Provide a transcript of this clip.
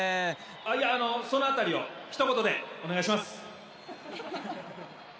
いやその辺りをひと言でお願いします！